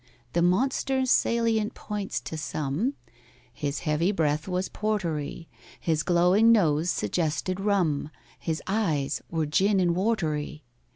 The monster's salient points to sum,— His heavy breath was portery: His glowing nose suggested rum: His eyes were gin and _wor_tery.